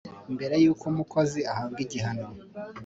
mbere y’uko umukozi ahabwa igihano,